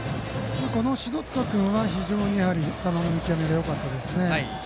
篠塚君は非常に球の見極めがよかったです。